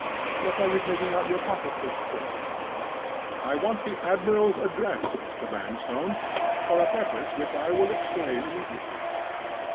What are you taking out your pocketbook for?" "I want the admiral's address, Mr. Vanstone, for a purpose which I will explain immediately."